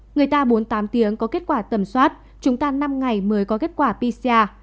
người ta bốn mươi tám tiếng có kết quả tầm soát chúng ta năm ngày mới có kết quả pcr